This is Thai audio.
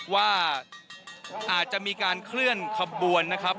ว่าอาจจะมีการเคลื่อนขบวนนะครับ